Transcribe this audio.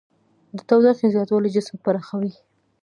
د تودوخې زیاتوالی جسم پراخوي.